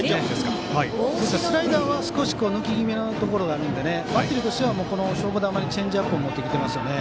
スライダーは抜き気味のところがあるのでバッテリーとしては勝負球にチェンジアップを持ってきてます。